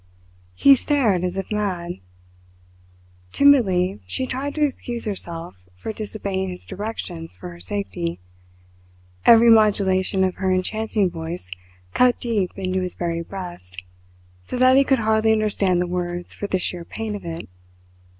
He stared as if mad. Timidly she tried to excuse herself for disobeying his directions for her safety. Every modulation of her enchanting voice cut deep into his very breast, so that he could hardly understand the words for the sheer pain of it.